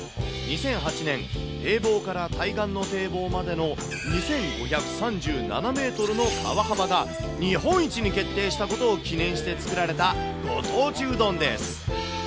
２００８年、堤防から対岸の堤防までの２５３７メートルの川幅が日本一に決定したことを記念して作られたご当地うどんです。